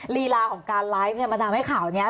รีลาของการไลฟ์มาทำให้ข่าวนี้